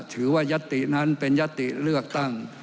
ยัตตินั้นเป็นยัตติเลือกตั้ง